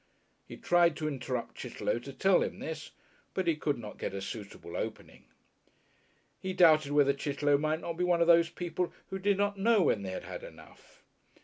He tried to interrupt Chitterlow to tell him this, but he could not get a suitable opening. He doubted whether Chitterlow might not be one of those people who did not know when they had had enough.